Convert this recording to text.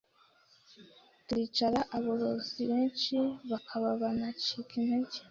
turicara aborozi benshi bakaba banacika intege